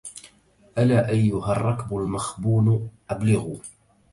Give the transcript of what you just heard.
ألا أيها الركب المخبون أبلغوا